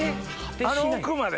あの奥まで？